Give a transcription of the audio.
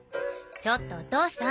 ちょっとお父さん。